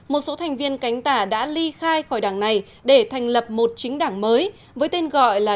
một số thành viên cánh tả đã ly khai khỏi đảng này để thành lập một chính đảng mới với tên gọi là